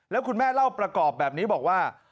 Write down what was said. แล้วคุณแม่เล่าประกอบแบบนี้บอกว่า